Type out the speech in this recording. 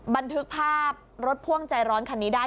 บันทึกภาพรถพ่วงใจร้อนคันนี้ได้